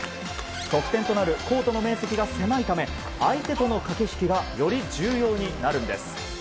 得点となるコートの面積が狭いため相手との駆け引きがより重要になるんです。